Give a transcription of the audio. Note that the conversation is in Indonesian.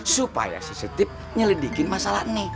supaya si setip nyeledikin masalah ini